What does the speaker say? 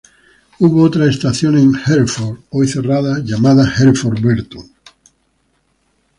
Hubo otra estación en Hereford, hoy cerrada, llamada Hereford Barton.